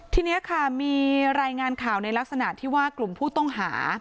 ทีนี้ค่ะมีรายงานข่าวในลักษณะที่ว่ากลุ่มผู้ต้องหา